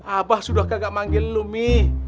apa sudah kagak manggil lo mi